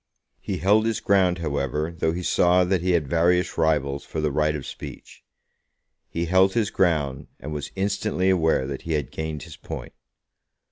He held his ground, however, though he saw that he had various rivals for the right of speech. He held his ground, and was instantly aware that he had gained his point.